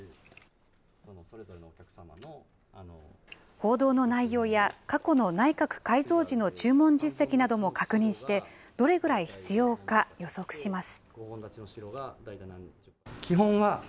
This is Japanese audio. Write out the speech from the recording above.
報道の内容や過去の内閣改造時の注文実績なども確認して、どれくらい必要か予測します。